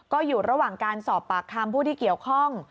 ก็อยู่ระหว่างการสอบปากคำผู้ที่เกี่ยวข้อง